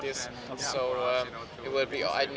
tidak ada yang mengembang seperti ini